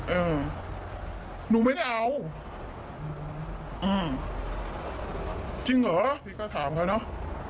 เออหนูไม่ได้เอาอืมจริงเหรอพี่ก็ถามเขาเนอะ